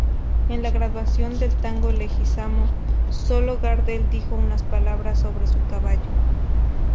En la grabación del tango Leguisamo solo Gardel dijo unas palabras sobre su caballo.